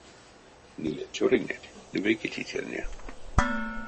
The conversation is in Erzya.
Ниле цёрынеть ды вейке тейтерне.